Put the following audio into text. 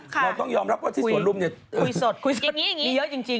เราต้องยอมรับว่าที่สวนลุมเนี่ยมีเยอะจริงดิฉันไปบ่อย